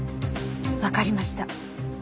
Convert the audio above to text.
わかりました。